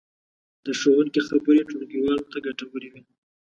د ښوونکي خبرې ټولګیوالو ته ګټورې وې.